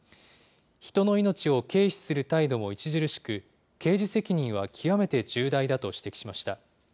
人の命を軽視する態度も著しく、刑事責任は極めて重大だと指摘しました。